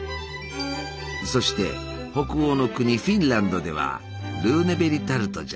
そして北欧の国フィンランドではルーネベリタルトじゃな。